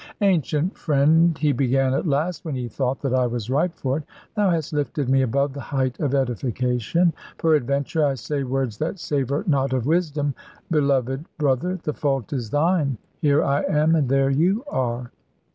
"Ancient friend," he began at last, when he thought that I was ripe for it; "thou hast lifted me above the height of edification. Peradventure I say words that savour not of wisdom, beloved brother, the fault is thine: here I am, and there you are."